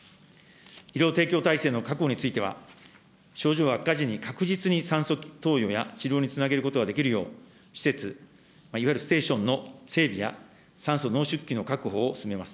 医療提供体制の確保については、症状悪化時に確実に酸素投与や治療につなげることができるよう、施設いわゆるステーションの整備や酸素濃縮器の確保を進めます。